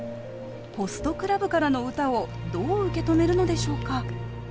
「ホストクラブ」からの歌をどう受け止めるのでしょうか。